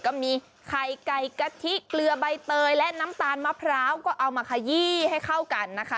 ก็มีไข่ไก่กะทิเกลือใบเตยและน้ำตาลมะพร้าวก็เอามาขยี้ให้เข้ากันนะคะ